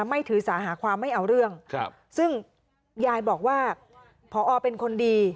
ไม่ถือสาหาความไม่เอาเรื่องซึ่งยายบอกว่าพอเป็นคนดี